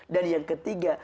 dan yang ketiga